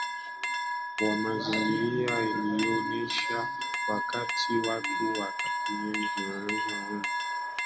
wa mazingira ulionyeshwa wakati watu katika sehemu za Kaskazini